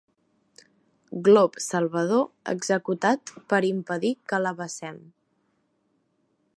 Glop salvador executat per impedir que la vessem.